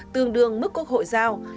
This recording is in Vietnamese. tương đương mức quốc hội giao